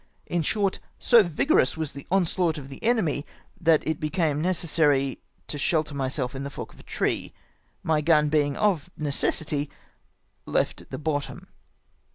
In short, so vigorous was the on slaught of the enemy, that it became necessary to shelter myself in the fork of a tree, my gun being of necessity left at the bottom.